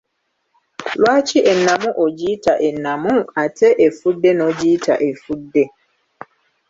Lwaki ennamu ogiyita ennamu ate efudde n'ogiyita efudde?